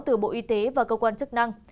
từ bộ y tế và cơ quan chức năng